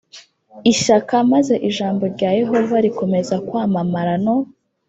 ishyaka maze ijambo rya Yehova rikomeza kwamamara no